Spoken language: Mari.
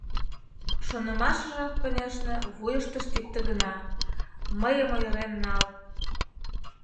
Шонымашыже, конешне, вуйыштышт икте гына: «Мыйым ойырен нал!